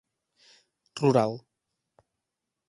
rural